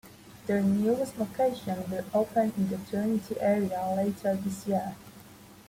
Their newest location will open in the Trinity area later this year.